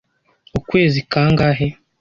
Ukwezi kangahe?